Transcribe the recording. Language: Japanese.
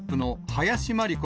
林真理子